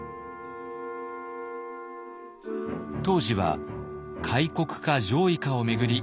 当時は開国か攘夷かを巡り